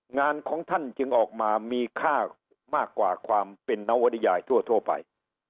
งานของท่านจึงออกมามีค่ามากกว่าความเป็นนวริยายทั่วไป